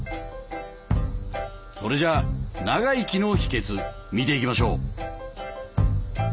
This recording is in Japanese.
それじゃあ長生きの秘訣見ていきましょう。